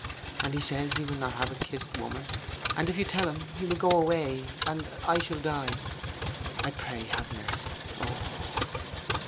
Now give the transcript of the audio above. And he says he will not have a kissed woman....And if you tell him he will go away, and I shall die. I pray have mercy Oh!